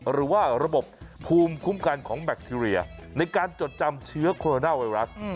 หรือว่าระบบภูมิคุ้มกันของแบคทีเรียในการจดจำเชื้อโคโรนาไวรัส